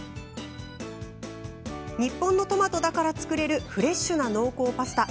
日本のトマトだから作れるフレッシュな濃厚パスタ